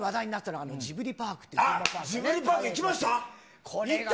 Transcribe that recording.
あっ、ジブリパーク行きました？